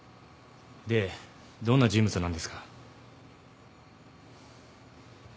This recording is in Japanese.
でどんな人物なんですか？